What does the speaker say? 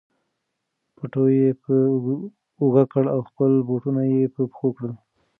پټو یې په اوږه کړ او خپل بوټونه یې په پښو کړل.